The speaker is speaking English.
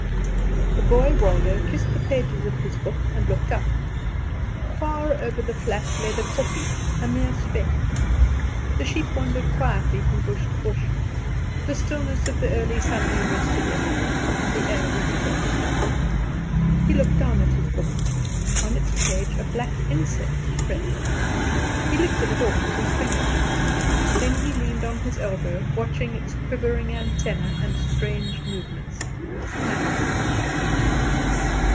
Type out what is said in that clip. The boy Waldo kissed the pages of his book and looked up. Far over the flat lay the kopje, a mere speck; the sheep wandered quietly from bush to bush; the stillness of the early Sunday rested everywhere, and the air was fresh. He looked down at his book. On its page a black insect crept. He lifted it off with his finger. Then he leaned on his elbow, watching its quivering antennae and strange movements, smiling.